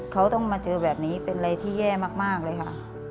เขาต้องมาเจอแบบนี้เป็นอะไรที่แย่มากเลยค่ะ